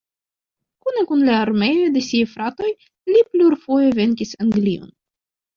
Kune kun la armeoj de siaj fratoj, li plurfoje venkis Anglion.